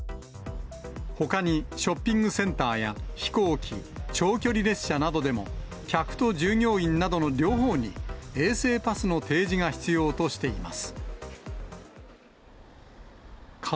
ほかにショッピングセンターや飛行機、長距離列車などでも客と従業員などの両方に、衛生パスの提示が必要としています。